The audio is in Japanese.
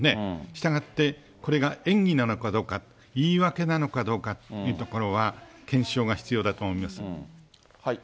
したがって、これが演技なのかどうか、言い訳なのかどうかというところは検証が必要だと思います。